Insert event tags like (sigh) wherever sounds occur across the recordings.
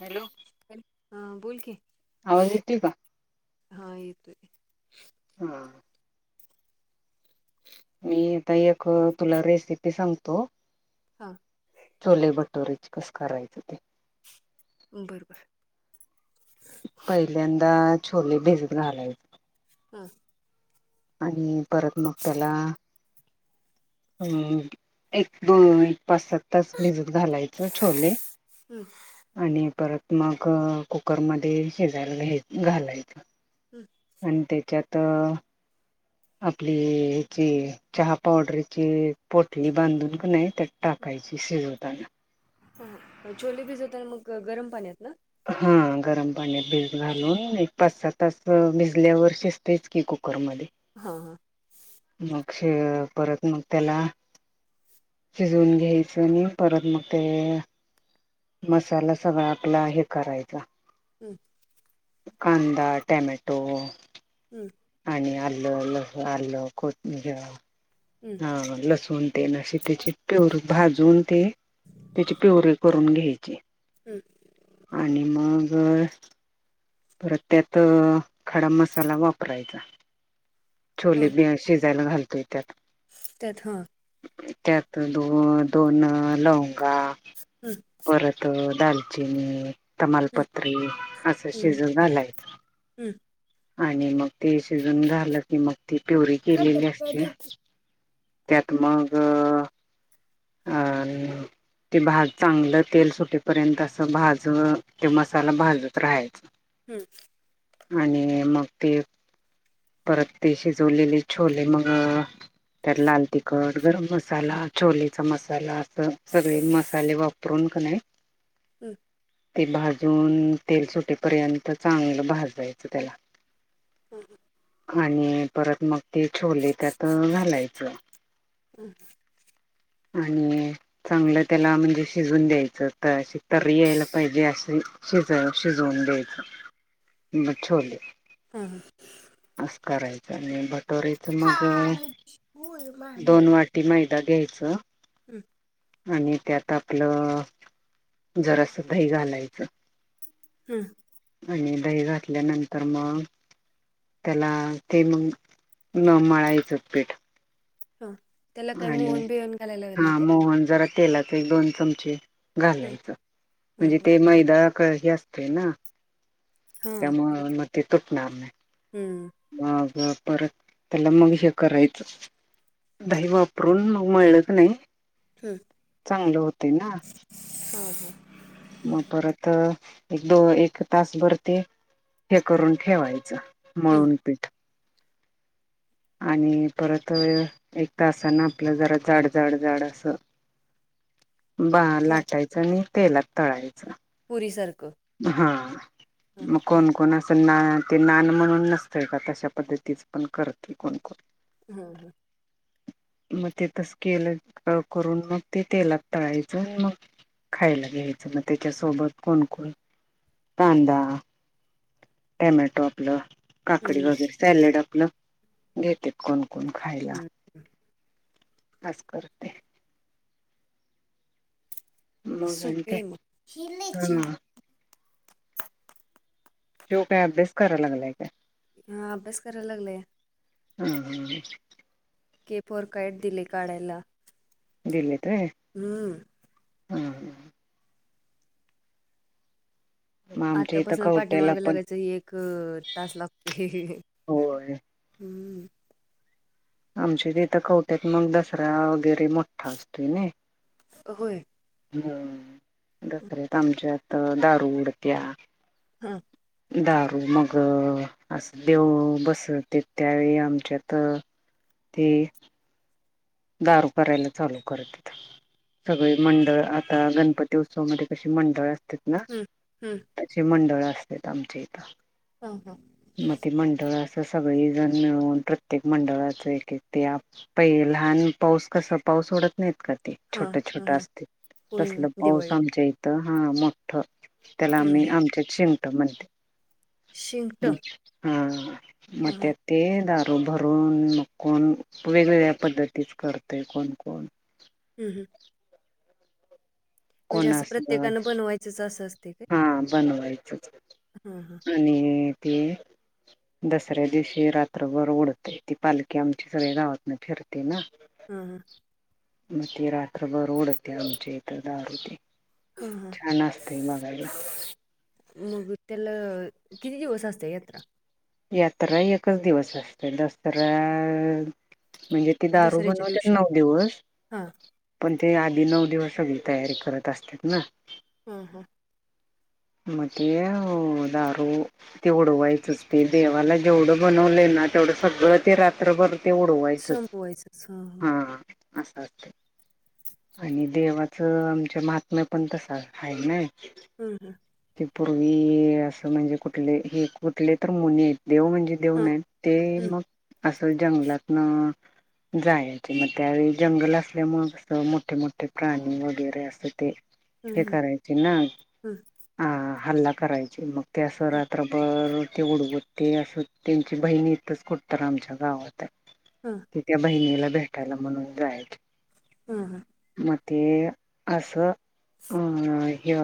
Hello ॅ हा बोल की आवाज येतोय का? हा येत हम मी आता एक तुला रेसिपी सांगतो हां चोले भटोरेचे कसं करायचं ते बरंबरं पहिल्यांदा छोले भिजत घालायचे हा आणि परत मग त्याला अम एक दोन एक पाच सात तास मिजत घालायचं छोले आणि परत मग कुकरमध्ये शिजायला घ घालायचं हम्म आणि त्याच्यात आपली ज. चहा पावडरची पोटली बांधून नाही तर टाकायची शिजवताना ह चोले भिज होत मग गरम पाण्यात ना. हा गरम पाण्यात भि घालून एक पाच सात तास भिजल्यावर शिजतेच की कुकरमध्येध्ये हा हा. मग परत मग त्याला शिजवून घ्यायचं आणि परत मग ते मसाला सगळा आपला हे करायचा. हम. कांदा टॅमॅटो. हम्म. आणि आलं ल आलं कोथि लसूण तेशी त्याची पेर भाजून ते त्याची प्यवरी करून घ्यायची. हम्. आणि मग परत त्यात खडा मसाला वापरायचा. छोले हां बि शिजायला घालतोय त्यात त्यात हा. त्यात दो दोन लवंगा. हम्. परत दालचिनी तमालपत्री असं शिजून घालायचं आणि मग ते शिजून झालं की मग ती प्यवरी केलेली असते. त्यात मग ह. ते भाज चांगलं तेल सुटीपर्यंत अस भाज तेि मसाला भाजत राहाल. (inaudible) हम्. आणि मग ते. परत ते शिजवलेले छोले मग. त्यात लाल तिखट गरम मसाला छोलेचा मसाला अस सगळे मसाले वापर. उरून कर. हम्म ते भाजून तेल सुटीपर्यंत चांगलं भाजायचं त्याला. ह आणि परत मग. ते छोले त्यात घालायचं आणि. चांगलं त्याला म्हणजे शिजून द्यायचं तर अशी तररी यायला पाहिजे असशी. शिज शिजवून द्यायचं छले. हा हा. अस करायचं आणि भटोरेच मग दोन वाट. मैदा घ्यायचं. हम्. आणि त्यात आपलं जरास दही घालायचं. हम्म आणि दही घातल्यानंतर मग. त्याला ते मग न मळाईचं पीठ. हा त्याला काही मोहन बिन घालायला नाही का. ज तेला दोन चम हां घालाय हां म्हणे ते मैदा. हे असते ना हां त्यामु हां मग ते तुटणार नाही. माग परत त्याला मग हे करायचं. दही वापरून मळत नाही चांगलं होते ना. हो हो. मग परत एक दो एक तासभर ते हे करून ठेवायचं. हां म्हणून ते. आणि परत एक तासना आपलं जरा जाड झाड झाड असं. (unintelligible) बा ला लाटायच आणि तेलात तळायचं. पुरी सारखं. हा हां मग कोण कोण. असं ना ते नान म्हणून नसतंय का तशा पद्धतीच पण करत क कोणकण. हा हा. मग ते तस केल करून मग ते तेलात तळायचं मग. खायला घ्यायचं मग त्याच्यासोबत कोणकण. कांदा टमॅटो आपलं काकडी वगैरे सॅलड आपलं. घेतेत कोण कोण खायला. खास करते. मग आणि काय सुपेम. हा जो काय अभ्यास कराय लागलाय काय. हा अभ्यास करायला लागलाय. हम ह. के फोर कायट दिले काढायला. दिल्त रे हम्म हा. मग आमच्या इथं आतापासून कवट्याला पाठीमाग पण लागायचं ह एक तास लागतेो. होय हम्म. आमच्या इ त इथ कवट्यात मग दसरा वगैरे मोठ्ठा असतोय ना अय ह दसऱ्यात आमच्यात दारू उडत्या हा दारू मग असं देव बसते त्यावेळी आमच्यात ते दारू करायला चालू करत तथं सगळे मंडळ आता गणपती उत्सवामध्येध्ये कशी मंडळ असते ना हम्म हम्म तशी मंडळ असत आमच्या इथं ह हा मग ते मंडळ असं सगळे जण मिळून प्रत्येक मंडळाच एक एक ते पहिलं छान पाऊस कस पाऊस डत नाहीत का ते हा छोट हा छोट हा असत होय होय तसल पाऊस दिवाळीत आमच्या इ हा मोठ त्याला आम्ही हम्म आमच्या शिमटो म्हणते ह हा म ते हा दारू भरून मकण वेगवेगळ्या पद्धतीच करते कोण कोण हम् हम म्हणजे कोणा असं अस प्रत्येकानं बनवायचंच असं असते काय हा बनवायचंच हा हा आणि ते दसऱ्या दिवशी रात्रभर ओडते ती पालखी आमची सगळ गावातन फिरते ना हा हा मग ते रात्रभर ओडते आमचे इथ दार होते हा हा छान असते मघाला मग त्याला किती दिवस असत यात्रा यात्रा एकच दिवस असते दसरा म्हणजे कि दारू दसऱ्याच्या बनवत दिवशी नऊ दिवस हा पण ते आधी नऊ दिवस सगळी तयारी करत असतात ना हा हा मगे दारू ते उडवायचच ते देवाला जेवढं बनवले ना तेवढं सगळं ते रात्रभर तेवढवायचंच हा असं असते आणि देवाचं आमच्या महात्म्या पण तस आहे ना हम हं त पूर्वी असं म्हणजे कुठले हे कुठले तर मुने येत देऊ म्हणजे देऊ हा नाही ते हम्म मग असं जंगलातन जायचे मग त्यावेळी जंगल असल्यामुळे मोठे मोठे प्राणी वगैरे अस ते हम्म हे हम्म करायचे ना हम्म अ हल्ला करायचे मग ते असं रात्रभर ते उडगतते असं त्यांची बहिणी इथंच कुठ तराम जगा होतय हां ति त्या बहिणीला भेटायला म्हणून जायच हा हा मग ते असं अं हे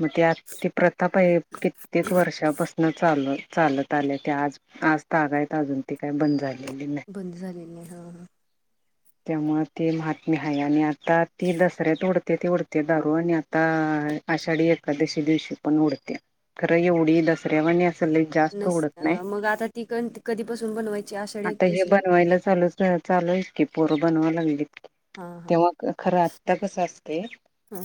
मग ते आ त प्रताप आहे कित्येक वर्षापासून चाल चालत आज आज तागायत अजून त काय बंद झाली बंद झालेले आहे हा हा त्यामुळे ते म्ह मीहाय आणि आता ती दसऱ्यात उडते ती उडते दारू आणि आता आषाढी एकादशी दिवशी पण उडत्या खरं एवढी दसऱ्यावर जास्त नस उडत नाही अं, मग आता ती क कधीपासून बनवायची आषाढी आता हे एकादशीला बनवायला चालू चालूत की पोरं बनवाव लागलीत हां हां तेव्हा खरं आत्ता कस असते हां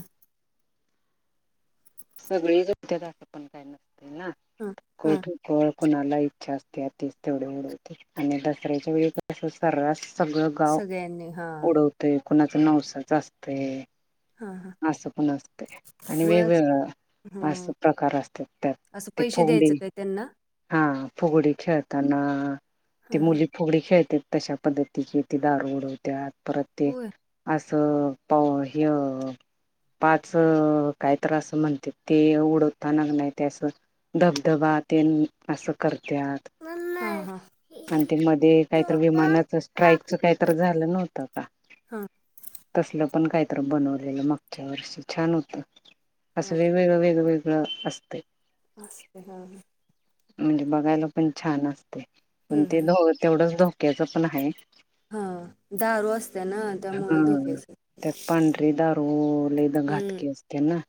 सगळेोठ्यात पण काय नसते ना हां हां कठ कोळ कोणाला इच्छा असते तच तेवढे एवढ होते आणि दसऱ्याच्या वेळीस सर्रास सगळं गाव सगळ्यांनी हां उडवत ते कुणाच नवसाच असते हां हां असं पण असते आणि मग आज- वेगवेगळं अस हं प्रकार असतात त्यात असं ते पैसे द्यायचं फुगडी काय त्यांना हा फुगडी खेळताना ती हां हां मुली फुगडी खेळते तशा पद्धतीची तेी दार उडवते आ परत ते होय असं प हि पाच काय त्रास म्हणते ते उडवतानाग नाही ते असं धबधबा ते असं करतात (inaudible) आणि ते मध्ये काहीत हां विमानाच स्ट्राईकच काहीत झालं नव्हतं का हां तसलं पण काहीत बनवलेलं मागच्या वर्षी छान होत असं हां वेगवेगळं वेगवेगळं असत असस्ते का म्हणजे बघायला पण छान असते पण हम्म, ते हम्म. तेवढंच धोक्याचं पण आहे हां दारू असते ना हा त्यामुळे धोक्याच ते पांढरी दारूली हम्म (inaudible)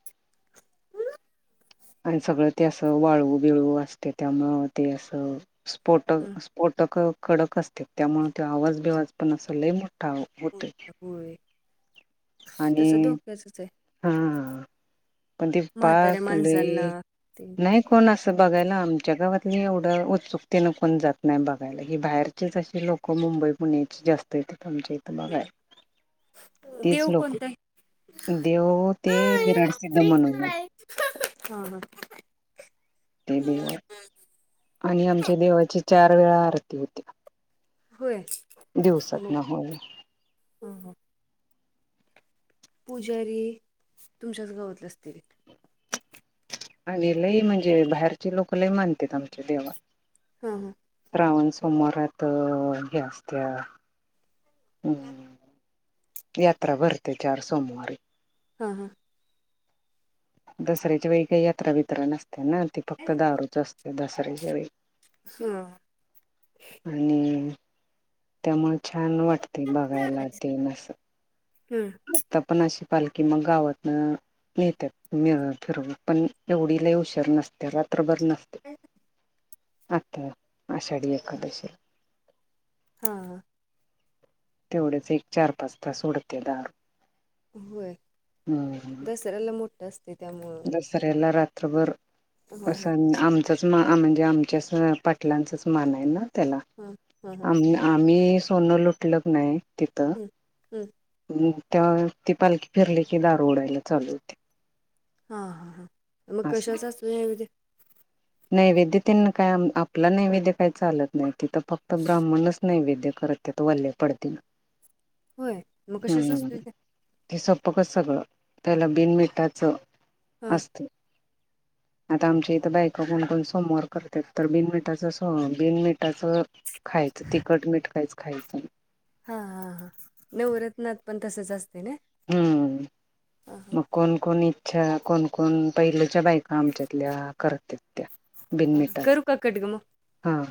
आणि सगळं ते असं वाळवू बिळू असते त्यामुळं ते असं हं. स्फोटक स्फोटक कडक असते त्यामुळे तो आवाज बिवाज पण असलही मोठा होते होर आणि हा पण तेी म्हाताऱ्या पाक माणसांना दही ते नाही कोण असं बघायला आमच्या गावातली एवढं उत्सुकतेनं कोण जात नाही बघायला ही बाहेरचेच असे लोक मुंबई पुण्याची जास्त यथे आमच्या इथं बघा देव कोणता आहे देव ते विराट सिद्ध म्हणून आहे कराय हा ह तेब आणि आमच्या देवाची चार वेळा आरती होती्या हो देऊ शत न हो ह हां पुजारी तुमच्याच गावातले असतील आणि लई म्हणजे बाहेरचे लोक लय मानतात आमच्या देव हा हां रावण सोमारात घ्या असत्या हम् यात्रा भरते चार सोमवारी हा हा दसऱ्याच्या वेळी काही यात्रा बित्रा नसते ना ती फक्त दारूच असते दसऱ्याच्या वेळी हा आणि त्यामु छान वाटते बघायला ते मस हम् पणा अशी पालखी मग गावातन ेत फिर पण एवढीला हुशार नसते रात्रभर न आता आषाढी एकादशीला हा तेवढेच एक चार पाच तास उडते दार होय दसऱ्याला मोठा असते त्यामु ऱ्याला रात्रभर हा अस हा आम म्हणजे आम पाटलांचच मान आहे ना त्या हा हा हा आम्ही सोनं लुटल नाही तिथं हम्म हम्म ते ती पालखी फिरली की दार उडायला चालू होते हा हा हा मग असं कशाच असतोथ नैवेद्य त्यांना काय आपलं नैवेद्य काय चालत नाही तिथं फक्त ब्राह्मणच नैवेद्य करत त वल्ले पडते ना होय मग कशच असत ते सोपकच सगळं त्याला बिन मिठाच हा असत आता आमच्या इथ बाक कोण कोोण सोमवार करतात तर बिनमटाच स बिनमटाचं खायचं तिखट मीठ काहीच खायचं हा हा हां नाही उरतनाथ पण तसच असते ना हम्म ह कोणकोण इच्छा कोणकोण पहिलेच्या बायका आमच्यातल्या करत त्या हा बिनमिटच करू का कट ग मग हा